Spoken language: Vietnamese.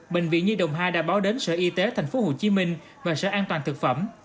bệnh viện nhi đồng hai đã báo đến sở y tế tp hcm và sở an toàn thực phẩm